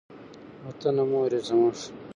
وطنه مور یې زموږ.